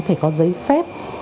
phải có giấy phép